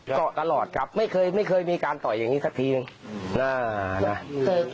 ก็ตลอดครับไม่เคยมีการต่อยอย่างนี้สักทีนึง